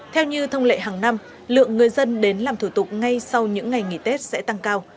theo như thông lệ hàng năm lượng người dân đến làm thủ tục ngay sau những ngày nghỉ tết sẽ tăng cao